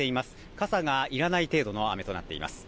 傘がいらない程度の雨となっています。